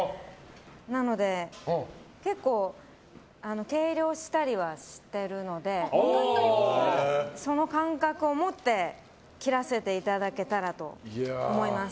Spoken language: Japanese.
なので、結構計量したりはしてるのでその感覚を持って切らせていただけたらと思います。